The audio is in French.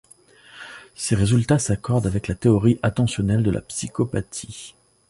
Ces résultats s’accordent avec la théorie attentionnelle de la psychopathie.